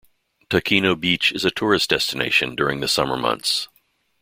Takeno beach is a tourist destination during the summer months.